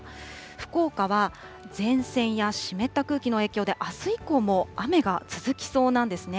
福岡は前線や湿った空気の影響で、あす以降も雨が続きそうなんですね。